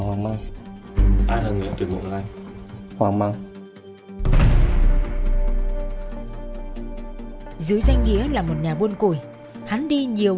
hoàng măng ai là người tuyển mộng anh hoàng măng dưới danh nghĩa là một nhà buôn củi hắn đi nhiều